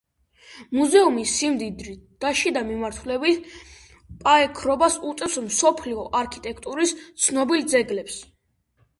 მუზეუმი სიმდიდრით და შიდა მორთულობით პაექრობას უწევს მსოფლიო არქიტექტურის ცნობილ ძეგლებს.